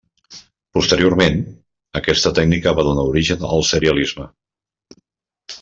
Posteriorment, aquesta tècnica va donar origen al serialisme.